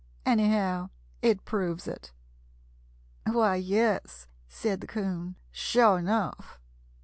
Anyhow it proves it." "Why, yes," said the 'Coon. "Sure enough!"